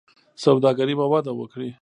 سوداګري به وده وکړي.